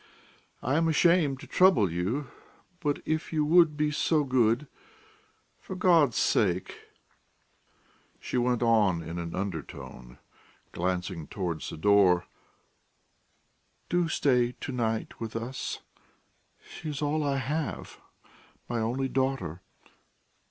"I am ashamed to trouble you, but if you would be so good.... For God's sake," she went on in an undertone, glancing towards the door, "do stay to night with us! She is all I have ... my only daughter....